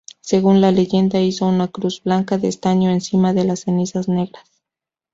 Según la leyenda, hizo una cruz blanca de estaño encima de las cenizas negras.